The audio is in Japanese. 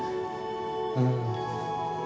うん。